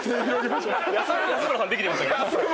安村さんできてましたけど。